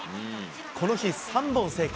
この日、３本成功。